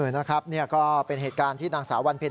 นะครับนี่ก็เป็นเหตุการณ์ที่นางสาววันเพ็ญ